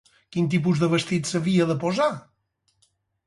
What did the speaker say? Quin tipus de vestits s'havia de posar?